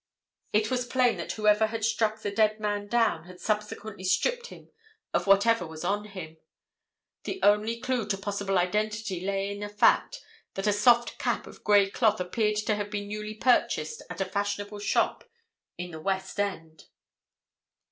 It was plain that whoever had struck the dead man down had subsequently stripped him of whatever was on him. The only clue to possible identity lay in the fact that a soft cap of grey cloth appeared to have been newly purchased at a fashionable shop in the West End.